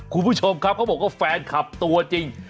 คุณผู้ชมครับเขาบอกว่าแฟนคลับตัวจริง